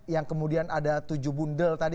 yang kemudian ada tujuh bundel tadi